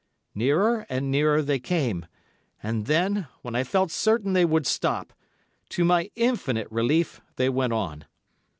Nearer and nearer they came, and then, when I felt certain they would stop, to my infinite relief they went on.